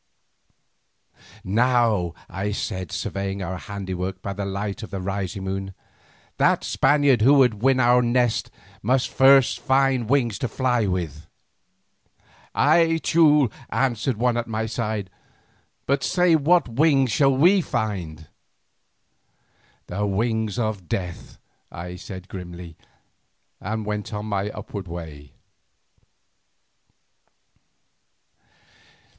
"Now," I said, surveying our handiwork by the light of the rising moon, "that Spaniard who would win our nest must find wings to fly with." "Ay, Teule," answered one at my side, "but say what wings shall we find?" "The wings of Death," I said grimly, and went on my upward way.